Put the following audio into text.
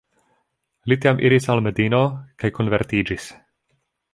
Li tiam iris al Medino kaj konvertiĝis..